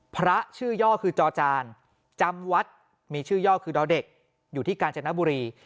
พระชื่อย่อคือจอจานจำวัดมีชื่อย่อคือดอเด็กอยู่ที่กาญจนบุรี